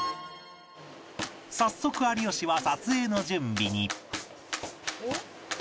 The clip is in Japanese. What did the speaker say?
早速有吉は撮影の準備に